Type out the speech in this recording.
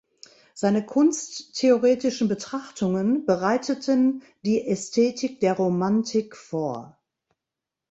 Seine kunsttheoretischen Betrachtungen bereiteten die Ästhetik der Romantik vor.